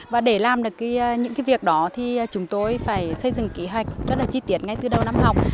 và để làm được những cái việc đó thì chúng tôi phải xây dựng kế hoạch rất là chi tiết ngay từ đầu năm học